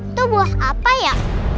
itu buah apa ya